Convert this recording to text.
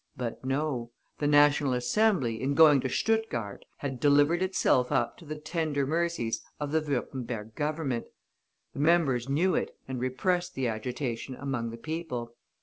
But no. The National Assembly, in going to Stuttgart, had delivered itself up to the tender mercies of the Würtemberg Government. The members knew it, and repressed the agitation among the people.